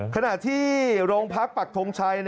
ขณะที่โรงพักปักทงชัย